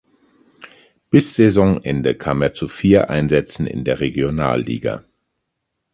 Bis Saisonende kam er zu vier Einsätzen in der Regionalliga.